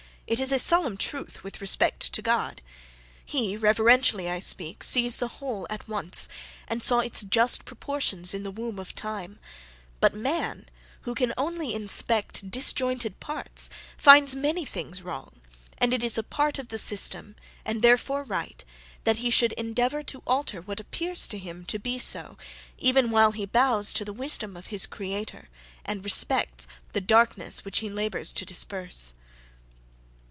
It is a solemn truth with respect to God. He, reverentially I speak, sees the whole at once, and saw its just proportions in the womb of time; but man, who can only inspect disjointed parts, finds many things wrong; and it is a part of the system, and therefore right, that he should endeavour to alter what appears to him to be so, even while he bows to the wisdom of his Creator, and respects the darkness he labours to disperse.